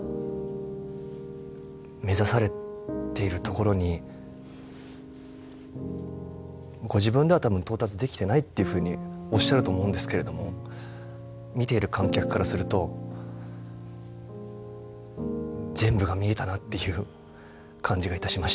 目指されているところにご自分では多分到達できてないっていうふうにおっしゃると思うんですけれども見ている観客からすると全部が見えたなっていう感じがいたしました。